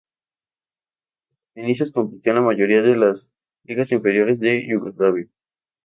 En sus inicios compitió en la mayoría de las ligas inferiores de Yugoslavia.